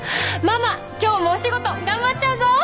ママ今日もお仕事頑張っちゃうぞ！